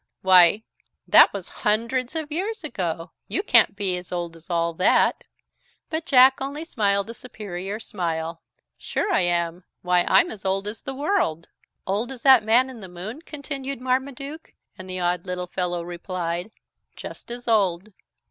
Why, that was hundreds of years ago! You can't be as old as all that." But Jack only smiled a superior smile "Sure I am. Why I'm as old as the world!" "Old as that Man in the Moon?" continued Marmaduke, and the odd little fellow replied: "Just as old."